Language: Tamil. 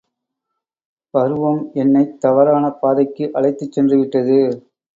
பருவம் என்னைத் தவறான பாதைக்கு அழைத்துச் சென்றுவிட்டது.